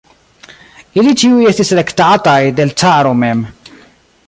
Ili ĉiuj estis elektataj de l' caro mem.